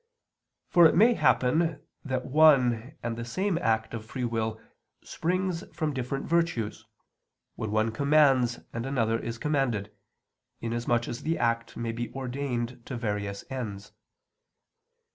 For it may happen that one and the same act of free will springs from different virtues, when one commands and another is commanded, inasmuch as the act may be ordained to various ends.